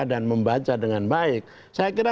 dan membaca dengan baik saya kira